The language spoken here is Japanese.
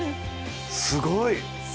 すごい。